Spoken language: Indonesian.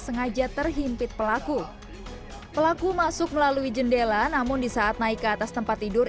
sengaja terhimpit pelaku pelaku masuk melalui jendela namun di saat naik ke atas tempat tidur